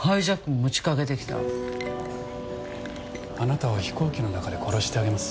あなたを飛行機の中で殺してあげます。